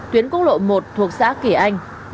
tuyến quốc lộ một thuộc xã kỳ anh